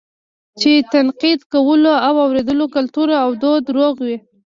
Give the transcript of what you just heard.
چې د تنقيد کولو او اورېدلو کلتور او دود روغ وي